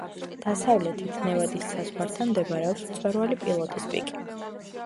დასავლეთით, ნევადის საზღვართან მდებარეობს მწვერვალი პილოტის პიკი.